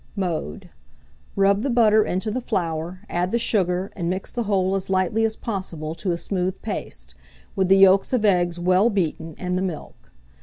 Mode. Rub the butter into the flour, add the sugar, and mix the whole as lightly as possible to a smooth paste, with the yolks of eggs well beaten, and the milk.